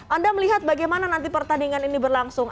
anda melihat bagaimana nanti pertandingan ini berlangsung